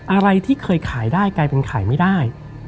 อะไรที่เคยขายได้กลายเป็นขายไม่ได้